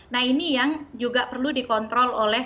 nah ini yang juga perlu dikontrol oleh